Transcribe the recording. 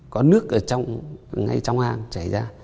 có nước ở trong ngay trong hang chảy ra